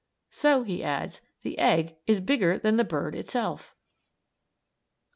"So," he adds, "the egg is bigger than the bird itself!" IV.